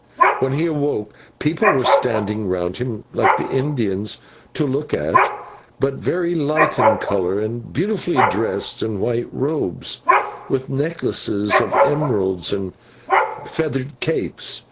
"When he awoke, people were standing round him, like the Indians to look at, but very light in colour, and beautifully dressed in white robes, with necklaces of emeralds and feather capes.